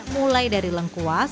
mulai dari lengkuas